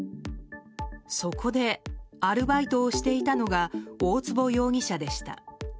そこでアルバイトをしていたのが大坪容疑者でした。